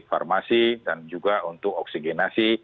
farmasi dan juga untuk oksigenasi